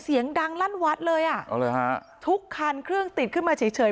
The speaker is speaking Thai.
เสียงดังลั่นวัดเลยอ่ะเอาเลยฮะทุกคันเครื่องติดขึ้นมาเฉยเฉย